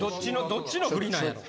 どっちのフリなんやろ。